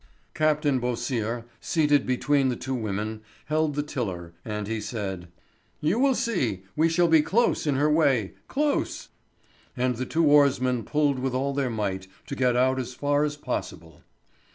Captain Beausire, seated between the two women, held the tiller, and he said: "You will see, we shall be close in her way—close." And the two oarsmen pulled with all their might to get out as far as possible.